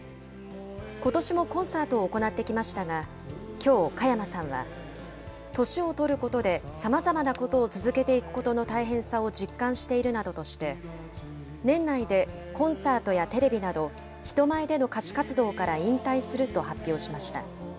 ことしもコンサートを行ってきましたが、きょう、加山さんは年を取ることでさまざまなことを続けていくことの大変さを実感しているなどとして、年内でコンサートやテレビなど、人前での歌手活動から引退すると発表しました。